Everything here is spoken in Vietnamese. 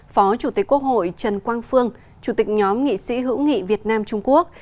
phó chủ tịch quốc hội trần quang phương chủ tịch nhóm nghị sĩ hữu nghị việt nam trung quốc